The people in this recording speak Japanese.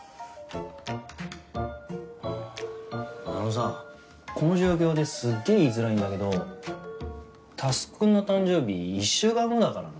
あのさこの状況ですっげえ言いづらいんだけど佑くんの誕生日１週間後だからな。